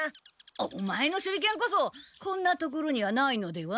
オマエの手裏剣こそこんな所にはないのでは？